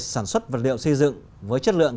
sản xuất vật liệu xây dựng với chất lượng